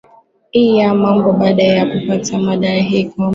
i ya mambo baada tu ya kupata mada hii kwamba